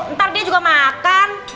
ntar dia juga makan